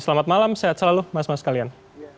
selamat malam sehat selalu mas mas kalian